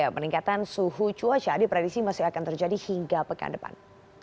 peningkatan suhu cuaca diprediksi masih akan terjadi hingga pekan depan